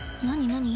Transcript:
何？